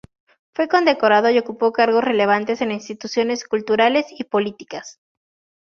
Fue condecorado y ocupó cargos relevantes en instituciones culturales y políticas.